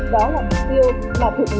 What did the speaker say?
đó là mục tiêu mà thượng úy